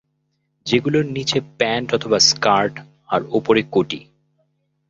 যেগুলোর নিচে প্যান্ট অথবা স্কার্ট আর ওপরে কটি।